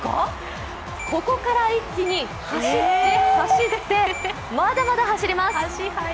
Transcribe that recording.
ここから一気に走って走って、まだまだ走ります。